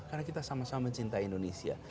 karena kita sama sama mencintai indonesia